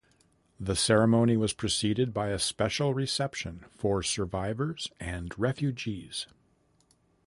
The ceremony was preceded by a special reception for survivors and refugees.